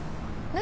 何？